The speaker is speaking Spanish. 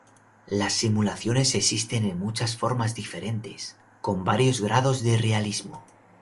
Las simulaciones existen en muchas formas diferentes, con varios grados de realismo.